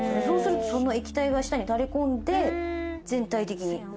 そうするとその液体が下に垂れ込んで全体的に。